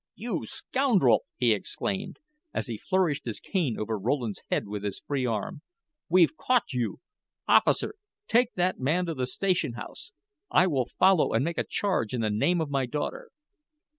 "You scoundrel!" he exclaimed, as he flourished his cane over Rowland's head with his free arm. "We've caught you. Officer, take that man to the station house. I will follow and make a charge in the name of my daughter."